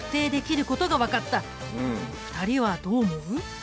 ２人はどう思う？